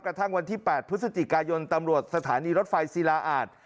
กระทั่งวันที่๘พฤศจิกายนตำรวจสถานีรถไฟศิลาอาจ